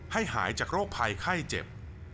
หายจากโรคภัยไข้เจ็บ